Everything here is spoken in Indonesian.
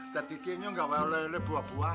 jadi kayaknya gak boleh lele buah buahan